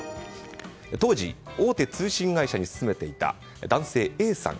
当時、大手通信会社に勤めていたＡさん。